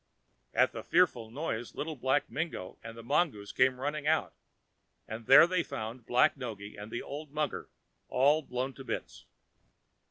At the fearful noise Little Black Mingo and the mongoose came running out, and there they found Black Noggy and the old mugger all blown to bits.